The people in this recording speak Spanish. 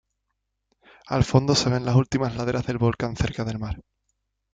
Al fondo se ven las últimas laderas del volcán cerca del mar.